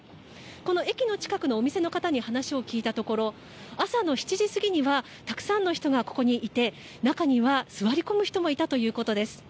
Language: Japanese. この駅の近くのお店のかたに話を聞いたところ朝の７時過ぎにはたくさんの人がここにいて、中には座り込む人もいたということです。